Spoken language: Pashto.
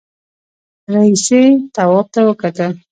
رئيسې تواب ته وکتل.